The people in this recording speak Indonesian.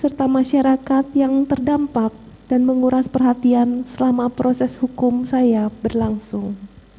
serta masyarakat yang terdampak dan menguras perhatian selama proses hukum saya berlangsung